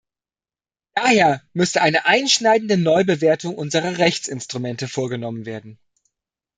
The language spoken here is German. Daher müsste eine einschneidende Neubewertung unserer Rechtsinstrumente vorgenommen werden.